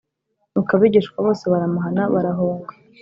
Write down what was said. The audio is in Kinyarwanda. Nuko abigishwa bose baramuhana, barahunga.